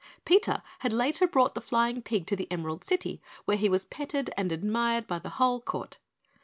Peter had later brought the flying pig to the Emerald City, where he was petted and admired by the whole court.